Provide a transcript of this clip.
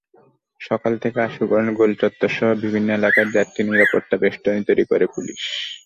সকাল থেকে আশুগঞ্জ গোলচত্বরসহ বিভিন্ন এলাকায় চারটি নিরাপত্তাবেষ্টনী তৈরি করে পুলিশ।